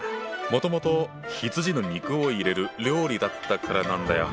もともと羊の肉を入れる料理だったからなんだよ。